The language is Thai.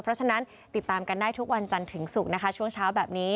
เพราะฉะนั้นติดตามกันได้ทุกวันจันทร์ถึงศุกร์นะคะช่วงเช้าแบบนี้